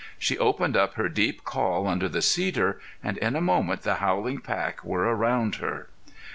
She opened up her deep call under the cedar, and in a moment the howling pack were around her.